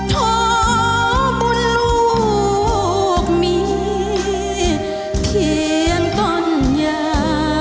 ขอบุญลูกมีเขียนต้นยา